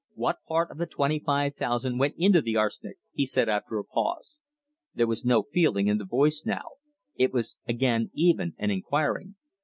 "What part of the twenty five thousand went into the arsenic?" he said, after a pause. There was no feeling in the voice now; it was again even and inquiring.